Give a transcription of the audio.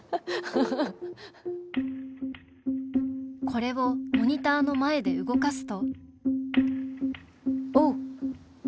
これをモニターの前で動かすとおお！